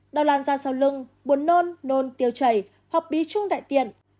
đau lan da sau lưng buồn nôn nôn tiêu chảy hoặc bí trung đại tiện